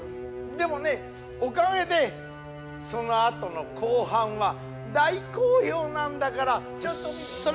でもねおかげでそのあとの後半は大好評なんだからちょっと見て。